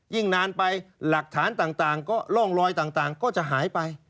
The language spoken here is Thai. นานไปหลักฐานต่างก็ร่องรอยต่างก็จะหายไป